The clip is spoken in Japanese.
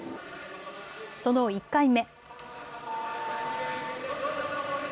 その１回目。